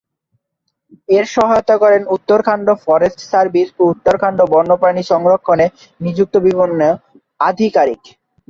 এঁর সহায়তা করেন Uttarakhand forest service ও উত্তরাখণ্ড বন্যপ্রাণী সংরক্ষণে নিযুক্ত বিভিন্ন আধিকারিক।